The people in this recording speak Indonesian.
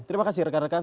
terima kasih rekan rekan